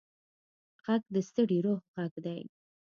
غږ د ستړي روح غږ دی